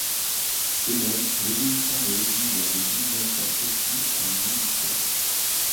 De même, l'évolution des hobbies vers des business à profit a une longue histoire.